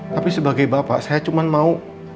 tapi sebagai bapak saya cuma mau